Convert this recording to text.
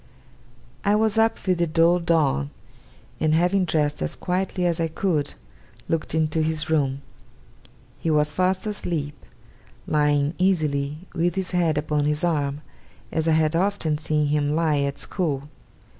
I was up with the dull dawn, and, having dressed as quietly as I could, looked into his room. He was fast asleep; lying, easily, with his head upon his arm, as I had often seen him lie at school.